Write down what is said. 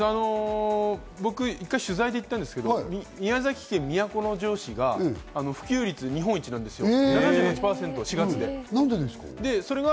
僕、一回取材で行ったんですけど、宮崎県都城市が普及率日本一なんですよ。